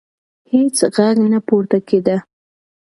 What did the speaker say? هیڅ غږ نه پورته کېده.